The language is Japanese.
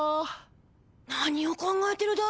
何を考えてるだ？